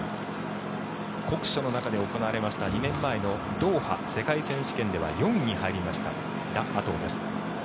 酷暑の中で行われました２年前のドーハの世界選手権では４位に入りましたラ・アトウです。